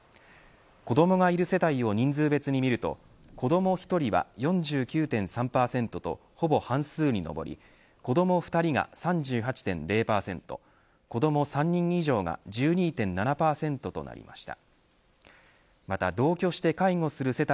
子どもがいる世帯を人数別にみると子ども１人は４９．３％とほぼ半数に上り子ども２人が３８．０％子ども３人以上が１２．７％となりました。